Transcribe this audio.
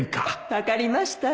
分かりましたよ